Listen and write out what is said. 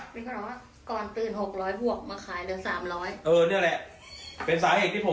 นี่ก็รอกรตื่นหกร้อยพวกมาขายเดือนสามร้อยเออเนี้ยแหละเป็นสาเหตุที่ผม